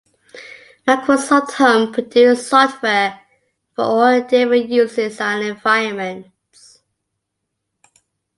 Microsoft Home produced software for all different uses and environments.